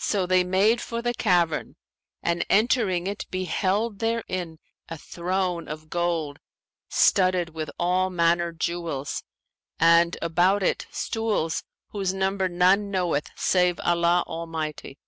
So they made for the cavern, and entering it beheld therein a throne of gold studded with all manner jewels, and about it stools whose number none knoweth save Allah Almighty.